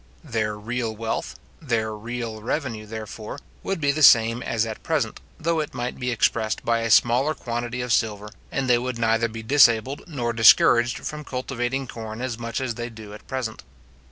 Their real wealth, their real revenue, therefore, would be the same as at present, though it might be expressed by a smaller quantity of silver, and they would neither be disabled nor discouraged from cultivating corn as much as they do at present.